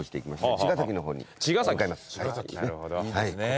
茅ヶ崎いいですね。